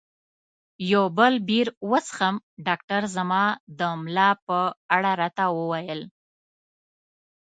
یو بل بیر وڅښم؟ ډاکټر زما د ملا په اړه راته وویل.